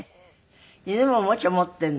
犬もおもちゃ持っているの。